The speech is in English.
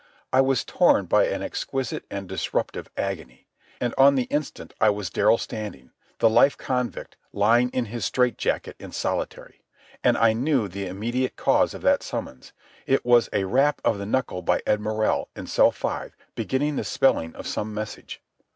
I was torn by an exquisite and disruptive agony. And on the instant I was Darrell Standing, the life convict, lying in his strait jacket in solitary. And I knew the immediate cause of that summons. It was a rap of the knuckle by Ed Morrell, in Cell Five, beginning the spelling of some message.